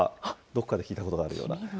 どこかで聞いたことあるような。